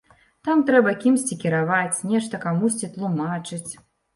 Там трэба кімсьці кіраваць, нешта камусьці тлумачыць.